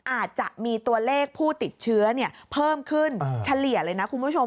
อาจจะมีตัวเลขผู้ติดเชื้อเพิ่มขึ้นเฉลี่ยเลยนะคุณผู้ชม